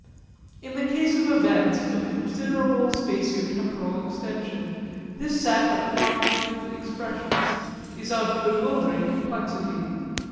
In the case of events of considerable spatio temporal extension this set of quantitative expressions is of bewildering complexity.